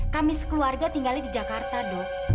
kami sekeluarga tinggalnya di jakarta dok